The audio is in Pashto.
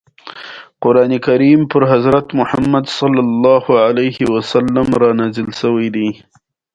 استاد د شاګرد پلار او مور غوندې دی.